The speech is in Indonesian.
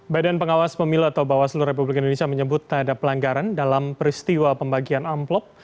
badan pengawas pemilu atau bawaslu republik indonesia menyebut tak ada pelanggaran dalam peristiwa pembagian amplop